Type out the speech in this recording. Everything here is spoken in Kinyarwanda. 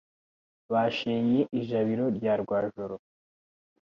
Bashenye ijabiro rya Rwajoro.